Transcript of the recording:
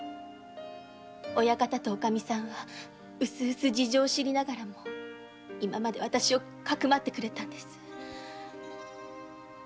親方とオカミさんはうすうす事情を知りながらも今までわたしをかくまってくれたんです。